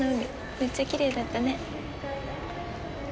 めっちゃきれいだったね。